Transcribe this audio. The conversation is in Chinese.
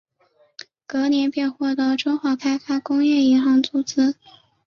隔年便获得中华开发工业银行的注资。